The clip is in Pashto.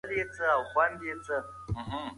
ماشوم به نور هېڅکله په انا پورې ونه خاندي.